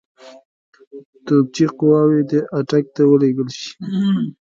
توپچي قواوې دي اټک ته ولېږل شي.